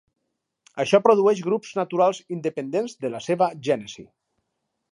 Això produeix grups naturals independents de la seva gènesi.